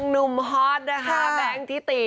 นุ่มฮอตนะคะแบงค์ทิตตี